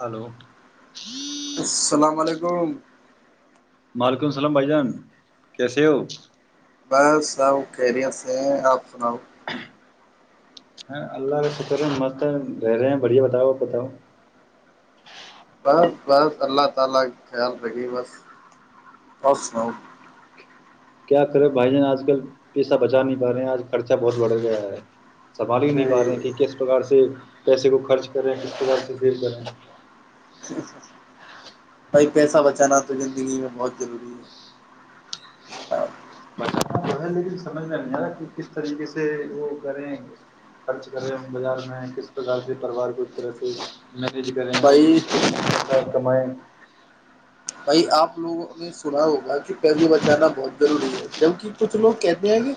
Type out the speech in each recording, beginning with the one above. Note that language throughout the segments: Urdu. ہلو السلام علیکم [inaudible] وعلیکم السلام بھائی جان کیسے ہو بس آب کیریر سے ہیں آپ سناؤ ہاں اللہ کا شکر ہے مست ہے رہ رہے ہیں بڑھیا بتاؤ آ بتاؤ بس بس اللہ تعالی کا خیال رکے بس اور سناؤ کیا کرے بھائی جان آج کل پیسہ بچا نہیں پا رہے ہیں آج خرچہ بہت بڑھ گیا ہے سوال ہی ارے نہیں پا رہے کہ کس پرکار سے سے پیسے کو خرچ کر رہے ہیں کس کے بد سے سیل کر رہے ہیں بھائی پیسہ بچانا تو زندگی میں بہت ضروری ہے ب تو ہے لیکن سمجھ میں نہیں آتاا کہ کس طریقے سے وہ کریں خرچ کریں بازار میں کس پرک سے پریوار کو اس طرح سے میرج کر رہے ہیں بھائی ہو کمیں بھائی آپ لوگوں نے سنا ہوگا کہ پیسے بچانا بہت ضروری ہے جبک کچھ لوگ کہتے ہیں کہ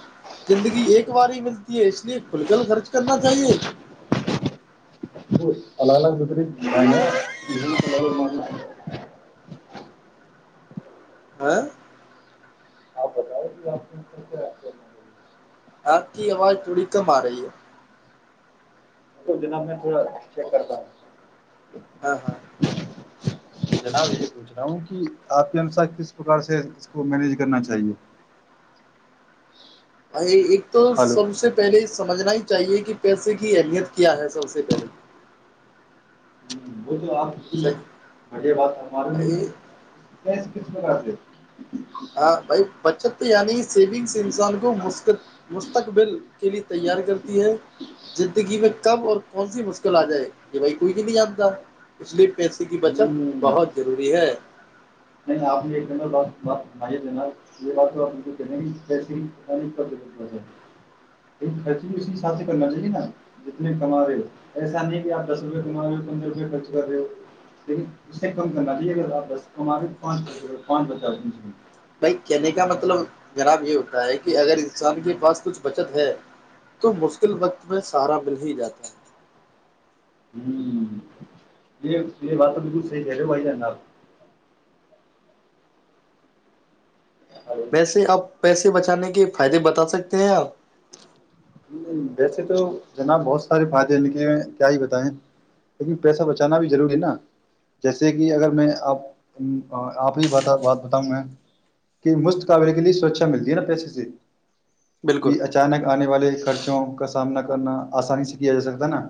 زندگی ایک بار ہی ملتی ہے اس لیے کھل کل خرچ کرنا چاہیے الگ الگ بتری ہاں ب ک آ رہی ہے جناب میں تھوڑا چیک کرتا ہوں ہاں ہاں جناب یہ پوچھ رہا ہوں کہ آپ کے انسار کس پرکار سے اس کو مینج کرنا چاہیے ا ایک تو ہلو سب سے پہلے سمجھنا ہی چاہیے کہ پیسے کی اہمیت کیا ہے سب سے پہلے کی وہ تو آپ ج صحیح مزے بات ہمارے نہیں بھائی کیا سکسماتے ہاں بھائی بچت یعنی سیونگس انسان کو مستقبل کے لیے تیار کرتی ہے زندگی میں کب اور کون سی مشکل آ جائے یہ بھائی کوئی بھی نہیں جانتا اس لیے پیسے کی بچت بہت ضروری ہے نہیں آپ نے ایک ب ب بے جناب یہ بات تو آپ کہسے خرچ بھی اسی حساب سے کرنا چاہیے نا جتنے کما رہے ہو ایسا نہیں کہ آپ دس روپئے کما رہے ہو پندرہ روپئے خرچ کر رہے ہو لیکن اسے کم کرنا چاہیے اگر آپ دس کما رہے ہو پانچچ پانچ پچاس بھائی کہنے کا مطلب جناب یہ ہوتا ہے کہ اگر انسان کے پاس کچھ بچت ہے تو مشکل وقت میں سہارا مل ہی جاتا ہے ہ یہ یہ بات تو بالکل سی ہےل بھائی ج نار ویسے آپ پیسے بچانے کے فائدے بتا سکتے ہیں آپ ویسے تو جناب بہت سارے فائدے نکلےئے کیا ہی بتائائےیں لیکن پیسہ بچانا بھی ضروری ہے نا جیسے کہ اگر میں آپ آپ ہی ب بات بتاؤں گا کہ مفت کاملے کے لیے سرچھا ملتی ہے نا پیسے سے کی بالکل اچانک آنے والے خرچ سامنا کرنا آسانی سے کیا جا سکتا نا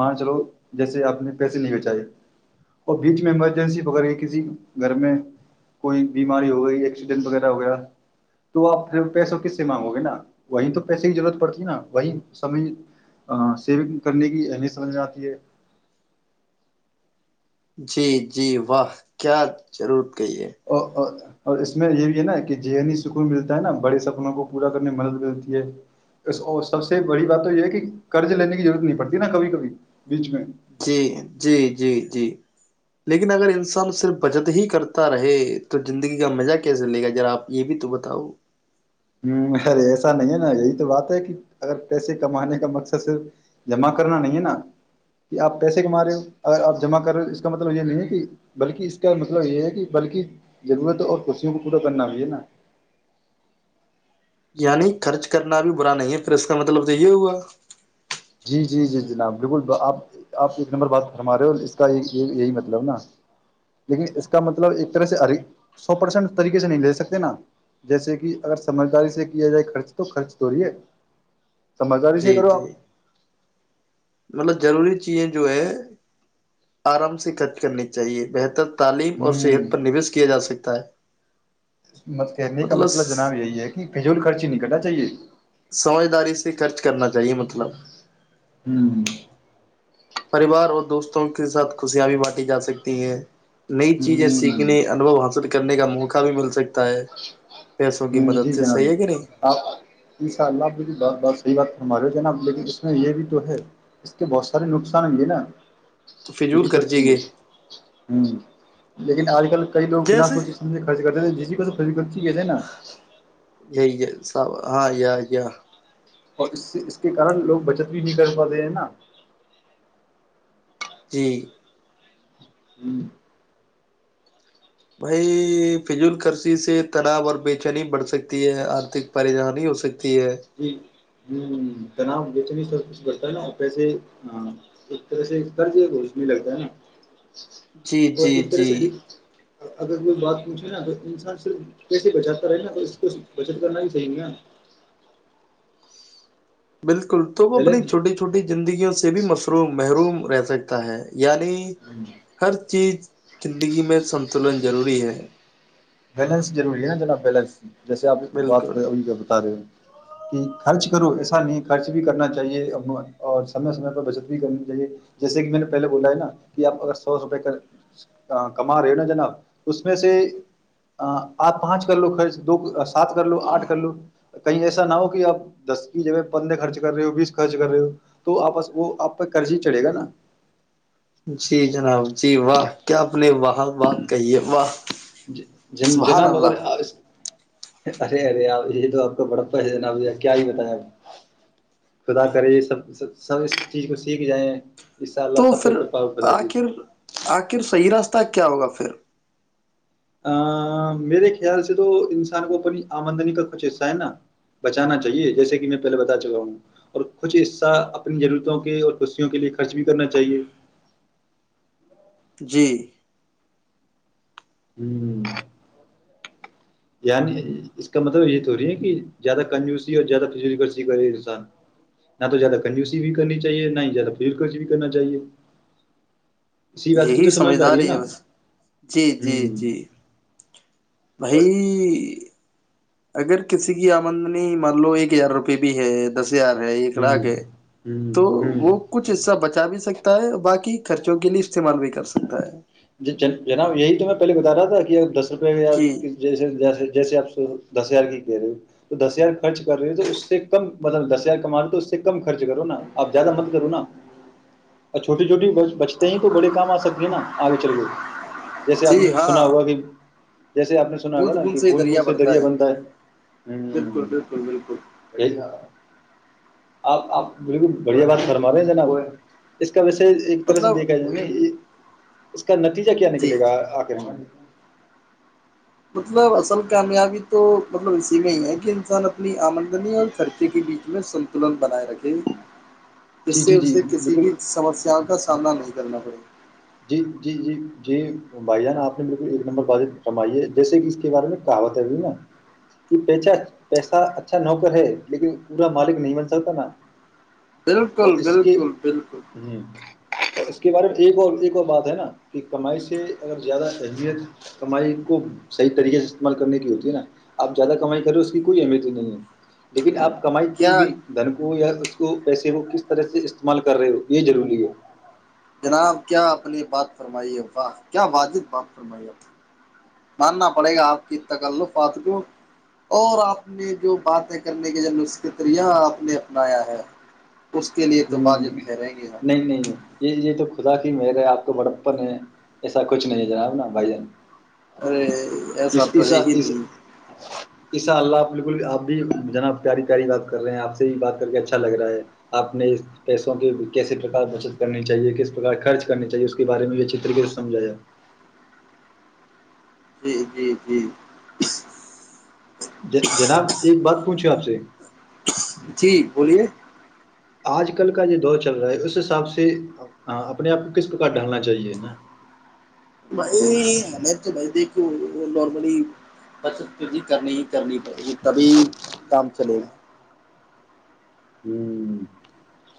مان چلو جیسے آپ نے پیسے نہیں بچائے اور بیچ میں ایمرجنسی و کسی گھر میں کوئی بیماری ہو گئی ایکسیڈنٹ وغیرہ ہو گیا تو آپ پیسوں کس سے مانگو گے نا وہیں تو پیسے کی ضرورت پڑتی نا وہی سمجھ سینگ کرنے کی اہمیت سمجھ میں آتی ہے جی جی واہ کیا ضرور ا ا اور اس میں یہ بھی ہے نا کہ ذہنی سکون ملتا ہے نا بڑے سپنوں کو پورا کرنے میں مدد ملتی ہے سب سے بڑی بات تو یہ ہے کہ قرض لینے کی ضرورت نہیں پڑتی نا کبھی کبھی بیچ میں جی جی جی جی لیکن اگر انسان صرف بچت ہی کرتا رہے تو زندگی کا مزہ کیسے لے گا ذرا آپ یہ بھی تو بتاؤ ہ ارے ایسا نہیں ہے نا یہی تو بات ہے کہ اگر پیسے کمانے کا مقصد صرف جمع کرنا نہیں ہے نا کہ آپ پیسے کما رہے ہو اگر آپ جمع کر رہے ہو اس کا مطلب یہ نہیں ہے کہ بلکہ اس کا مطلب یہ ہے کہ بلکہ ضرورتوں اور کرسیوں کو پورا کرنا بھی ہے نا یعنی خرچ کرنا بھی برا نہیں ہے پھر اس کا مطلب تو یہ ہوا جی جی جی جناب بالکل آپ آپ ایک نمبر بات فرما رہے ہو اس کا یہ یہی مطلب نا لیکن اس کا مطلب ایک طرح سے سو پرسینٹ طریقے سے نہیں لے سکتے نا جیسے کہ اگر سمجھداری سے کیا جائے خرچ تو خرچ تووریے سمچار سےے جی کرو جی آپ مطلب ضروری چیزیں جو ہے آرام سے خرچ کرنی چاہیے بہتر تعلیم اور صحت پر ہوں نویش کیا جا سکتا ت م کہنے کا مطلب جناب یہی ہے کہ پجول خرچی نکٹا صحیے سمجھداری سے خرچ کرنا چاہیے مطلب ہوں ہ پریوار اور دوستوں کے ساتھ خوشیاں بھی بانٹی جا سکتی ہیں نئی چیزیں سیکھنے ہ انبھو حاصل کر کرنے کا موقع بھی مل سکتا ہے پیسوں کی ہ مدد جی سے جنانی صحیح ہے کہ نہیں آپ یہ س لب بات بت صحی بات ہمارے ہو جناب لیکن اس میں یہ بھی تو ہے اس کے بہت سارے نقصان ہ گے نا تو فضول کر خرچی کے ہوں لیکن آج کل کئی لگ بنا جیسے سوچے سمھے خرچ کرتےے جسی کو سری ک ٹھیک ہے تھ نا سب ہاں یا یا اور اس سے اس کے کارن لوگ بچت بھی نہیں کر پا رہے ہیں نا [inaudible] ہوں بھائی فضول کررسیی سے تناؤ اور بے چینی بڑھ سکتی ہے آرتک پریشانی ہو سکتی ہے جی ہوں تنا بچنی سب کچ کرتا ہے نا پسے ایک طرح سے کررض روشنی لگتا ہے نا جی اور جی ایک طرح جی سے اگر کوئی بات پوچھے نا ا انسان صرف کیسے بچات کرے نا تو اس کو بچت کرنا ہی صاہی نہیں نا بالکل تو وہ اپنی بیلنس چھوٹی چھوٹی زندگیوں سے بھی مروم محروم رہتا سکتا ہے یعنی ہر چیز زندگی میں سنتلن ضروری ہے بیلنس روری ہے نا جناب بیلنس جیسے آپ بات بالکل کری بتا رہے ہو کہ خرچ کرو ایسا نہیں خرچ بھی کرنا چاہیے اور سمے سمے پ بچت بھی کرنی چاہیے جیسے کہ میں نے پہلے بولا ہے نا کہ آپ اگر سو روپئے کا کما رہے ہو نا جناب اس میں سے آپ پانچ کر لو خرچ دو سات کر لو آٹھ کر لو کہیں ایسا نہ ہو کہ آپ دس کی جب پندرہ خرچ کر رہے ہو بیس خرچ کر رہے ہو تو آپس وہ آپ پ قرض ہی چڑھے گا نا جی جناب جی واہ کیا آپ نے وہاہاں بات کہی ہے واہ سبحان جناب اگر اللہ [unintelligible] ارے ارے آپ یہ تو آپ کا بڑا پیس جناب کیا ہی بتیا آ خدا کرے یہ سبب سب اس چیز کو سیکھ جائیں [unintelligible] تو سب کو پھر کرپا و خدا کی آخر آخر صحیح راستہ [unintelligible] ت کیا ہوگا پھر [unintelligible] ا میرے خیال سے تو انسان کو اپنی آمدنی کا کچھ حصہ ہے نا بچانا چاہیے جیسے کہ میں پہلے بتا چکا ہوں اور کچھ حصہ اپنی ضرورتوں کے اور خوشیوں کے لیے خرچ بھی کرنا چاہیے [unintelligible] جی [unintelligible] ہوں [unintelligible] یعنی اس کا مطلب یہ تو ہو رہی ہے کہ زیادہ کنجوسی اور زیادہ فجول کرضی کرے انسان نہ تو زیادہ کنجوسی بھی کرنی چاہیے نہ ہی زیادہ فجول کرض بھی کرنا چاہیے [unintelligible] بات کی یہی تو سمجھداری ہے نا بس جی جی ہوں جی بائی [unintelligible] ہین [unintelligible] ج [inaudible] [unintelligible] اگر کسی کی آمدنی مان لو ایک ہزار روپئے بھی ہے دس [unintelligible] [unintelligible] آ رہے ہیں ایک لاکق ہے ہوں تو ہوں وہ کچھ حصہ بچ [unintelligible] بچا بھی سکتا ہے باقی خرچوں کے لیے استعمال بھی کر سکتا ہیں [unintelligible] جی ج جناب یہی تو میں [unintelligible] بتا رہا تھا کہ دس [unintelligible] روپ جی جیسے جیسے جیسے آپ [unintelligible] دس ہزار کہہ رہے ہو تو دس ہزار خرچ کر رہے ہو اس کم دس ہزار کما رہ تو سے کم خرچ کرو نا آپ زیادہ مت کرو نا چھوٹی چھوٹی بچتے ہی تو بڑے کام آ سکتے [unintelligible] ن آگچرک [unintelligible] جیسے آپ جی نے ہاں سنا ہوگا کہ جیسے آپ نے سنا ہوگا بوند نا بوند کہ ہی بھول بول سے بڑھتا دریا ہے بنتا ہے بالکل بالکل بالکل ہ [unintelligible] آپ آپ بالکل بڑھیا بات فرما رہے ہیں نا وہ [unintelligible] ویسے ایک طرح سے مطلب دیکھا جائےا یہ [unintelligible] اس کا نتیجہ کیا جی نکلے گا آخرن [unintelligible] مطلب اصل کامیابی تو مطلب اسی میں ہی ہے کہ انسان اپنی آمن [unintelligible] بنی اور خرچے کی بھی [unintelligible] ستولن بنا رکھے [unintelligible] جس جی سے جی جی اسے کسی بالکل بھی سمسیا کا سامنا نہیں [unintelligible] کرنا پڑ [unintelligible] جی جی جی جی بھائی جانا آپ نے بالکل ایک نمبر بات فرمائی ہے جیسے کہ اس کے بارے میں کہاوت ہے ابھی نا کہ پیچ پیسہ اچھا نوکر ہے لیکن پورا مالک نہیں بن سکتا نا [unintelligible] بالکل بالکل بالکل [unintelligible] تو اس کے بارے میں ٹھیک اور ایک [unintelligible] بات ہے نا کہ کمائی سے اگر زیادہ اہمیت کمائی کو صحیح طریقے سے استعمال کرنے کی ہوتی ہے نا آپ زیادہ کمائی کرے اس کی کوئی اہمیت ہی نہیں ہے لیکن آپ [unintelligible] کمائی کی کیا ہوئی دھن کو یا اس کو پیسے ر کس [unintelligible] طرح سے استعمال کر رہے ہو یہ ضروری ہے [unintelligible] جناب کیا اپنی بات فرمائیے واہ کیا واجد بات فرمائیے ماننا پڑے گا آپ کی تکلفات اور آپ نے جو باتیں کرنے کے جو نسختریا آپ نے اپنایا ہے [unintelligible] ہ تو واجب نہیں ٹھہریں گے آپ نہیں نہیں یہ یہ تو [unintelligible] خدا کی میرے آپ کو بڑپن ہے ایسا کچھ نہیں ہے جناب نا بھائی جان ارے ای سات وجے ہی نہیں انشاءاللہ بالکل اپ بھی جناب پیاری پیاری بات کر رہے ہیں اپ سے بات کر کے اچھا لگ رہا ہے اپ [unintelligible] پیسوں کی کیسے ٹرکار بچت کرنی چاہیے کس کرنی چاہیے اس کے بارے میں بھی اچھے طریقے سے سمجھا جائے [unintelligible] جی جی جی [unintelligible] ج جناب ایک بات پوچھو آپ سے [unintelligible] جی بولیے [unintelligible] آج کل کا جو دور چل رہا ہے اس حساب سے اپنے آپ کو کس پرک ڈھالنا چاہیے نا [unintelligible] بھائی ہمیں تو بھائی دیکھو نارملی بچ ک کرنی ہی کرنی پڑے گی تبھی کام چلے گا [unintelligible] ہوں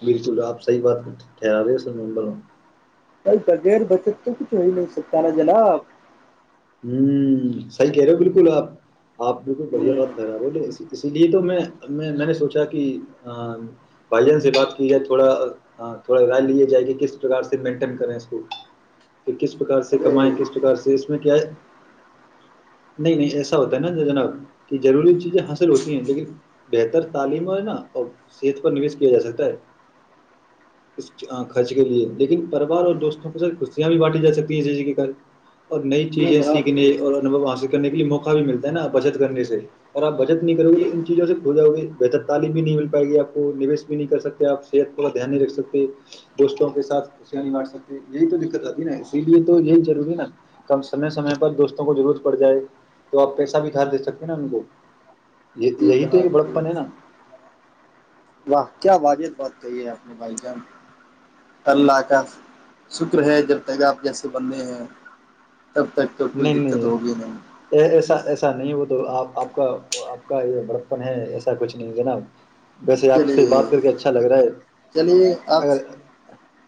بالکل آپ صحیح بات ٹھہرا رہے ہو سرمب [unintelligible] بھائی بغیر بجٹ کے کچھ نہیں ہو سکتا ہے جناب [unintelligible] ہ صحیح کہہ رہے ہو بالکل آپ آپ بالکل بڑھیا ہوں بات ہرا رہے ہو اسی لیے تو میں میں نے سوچا کہ بھائی جان سے بات کی جائے تھوڑا تھوڑا رائے ل جائے کہ کس پرک سے مینٹین کریں اس کو کہ کس پرار سے ارے کمائیں کس پرکار سے اس میں کیا ہے نہیں نہیں ایسا ہوتا ہے نا جناب کہ ضروری چیزیں حاصل ہوتی ہیں لیکن بہتر تعلیم اور نا اور صحت پر نوش کیا جا سکتا ہے اس خرچ کے لیے لیکن پریوار اور دوستوں کے ساتھ خوشیاں بھی بانٹی جا سکتی ہیں اسی کے اور نئی جی چیزیں جناب جی کرنے کی موقع بھی ملتا ہے نا بجد کرنے سے اور اپ بجٹ نہیں کرو گے تو جی ان چیزوں سے بھول جاؤ گے بہتر تعلی بھی نہیں مل پائے گی اپ کو نیوس بھی نہیں کر سکتے اپ صحت تھوڑا دھیان نہیں رکھ سکتے دوستوں کے ساتھ یہی تو دقت اتی ہے نا اسی لیے تو یہ انشاءاللہ کم سننس دوستوں کو ضرورت پڑ جائے تو اپ پیسہ بھی گھر دے سکتے ہیں نا ان کو یہ جی یہی تو جناب ایک جی بڑپن ہے نا واہ کیا واجح بات کہی ہے آپ نے بھائی جان اللہ کا شکر ہے جر تگاپ جیسے بندنے ہیں تب تک تو کوئی نہیں دقت نہیں ہوگی نہیں ایسا ایسا نہیں ہوتا تو آپ آپ کا آپ کا یہ بڑپن ہے ایسا کچھ نہیں جناب ویسے آپ سے چلیے بات کر کے اچھا لگ رہا ہے چلیے آپ اگر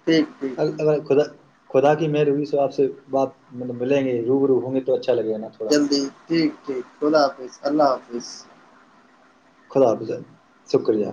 ٹھیک ٹھیک ٹھیک اللہ خدا خدا کی محروبی ص آپ سے بات مطل ملیں گے روب رو ہوں گے تو اچھا لگے گا نا تھوڑا جلدی ٹھیک ٹھیک کھلا حافظ اللہ حافظ خلافظ شکریہ